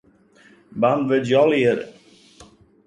Beäntwurdzje allegearre.